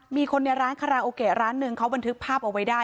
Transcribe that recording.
มีคนในร้านคาราโอเกะร้านหนึ่งเขาบันทึกภาพเอาไว้ได้